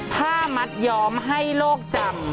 ผ้ามัดย้อมให้โลกจำ